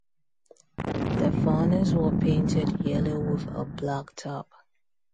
Their funnels were painted yellow with a black top.